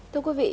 thưa quý vị